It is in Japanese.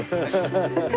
ハハハハ！